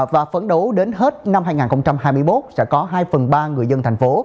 và phấn đấu đến hết năm hai nghìn hai mươi một sẽ có hai phần ba người dân thành phố